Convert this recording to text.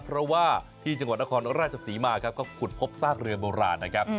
เพราะว่าที่จังหวัดนครราชศรีมาครับก็ขุดพบซากเรือโบราณนะครับ